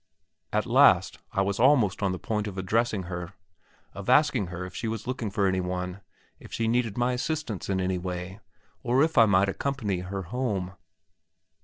At last I was almost on the point of addressing her, of asking her if she was looking for any one, if she needed my assistance in any way, or if I might accompany her home.